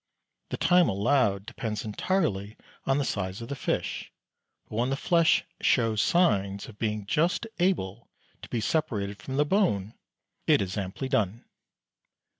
The time allowed depends entirely on the size of the fish, but when the flesh shows signs of being just able to be separated from the bone, it is amply done.